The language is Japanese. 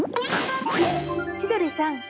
千鳥さん